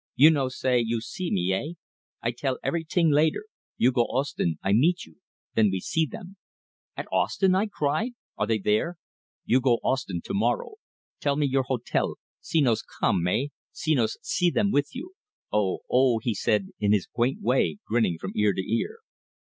You no say you see me eh? I tell every ting later. You go Ostend; I meet you. Then we see them." "At Ostend!" I cried. "Are they there?" "You go Ostend to morrow. Tell me your hotel. Senos come eh? Senos see them with you. Oh! Oh!" he said in his quaint way, grinning from ear to ear.